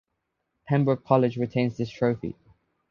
Pembroke College retains this trophy.